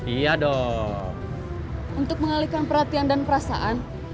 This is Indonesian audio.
iya dong untuk mengalihkan perhatian dan perasaan